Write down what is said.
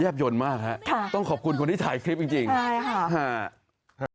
แย่บโยนมากฮะต้องขอบคุณคนที่ถ่ายคลิปจริงค่ะฮ่า